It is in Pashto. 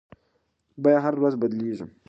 بیې هره ورځ بدلیږي.